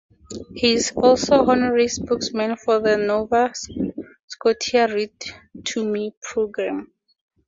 She is also Honorary Spokesperson for the Nova Scotia Read to Me program.